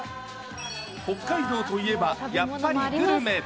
北海道といえば、やっぱりグルメ。